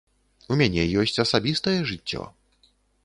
У мяне ёсць асабістае жыццё.